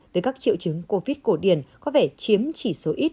tới các triệu chứng covid cổ điển có vẻ chiếm chỉ số ít